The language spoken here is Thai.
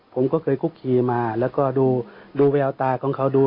ผมก็เคยคุกคีมาแล้วก็ดูแววตาของเขาดู